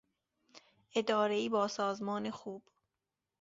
ادارهای با سازمان خوب